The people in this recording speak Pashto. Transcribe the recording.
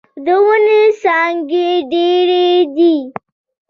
د ونې څانګې ډيرې دې.